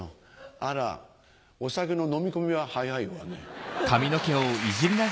あらお酒の飲み込みは早いわね。